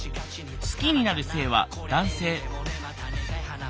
好きになる性は男性。